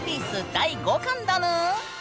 第５巻だぬ！